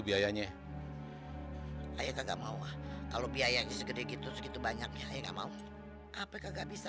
biayanya saya enggak mau kalau biaya segede gitu gitu banyaknya enggak mau apa enggak bisa